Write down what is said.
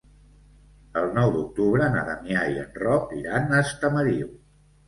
El nou d'octubre na Damià i en Roc iran a Estamariu.